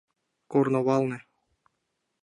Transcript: Корно валне